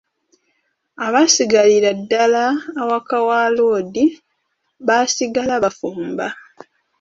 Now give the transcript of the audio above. Abaasigalira ddala awaka wa loodi baasigala bafumba.